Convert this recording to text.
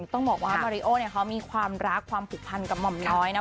ต้องบอกว่ามาริโอเนี่ยเขามีความรักความผูกพันกับหม่อมน้อยนะ